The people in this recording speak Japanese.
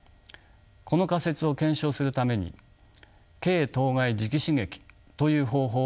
この仮説を検証するために経頭蓋磁気刺激という方法を用いました。